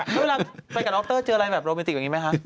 เมื่อไปกับดรเจออะไรแบบโรแมนติกแบบนี้ไหมคะ